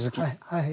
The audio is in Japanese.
はい。